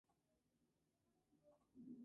In Brenda G., Jordan; Virginia, Weston.